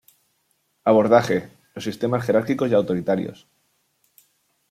Abordaje: Los sistemas jerárquicos y autoritarios.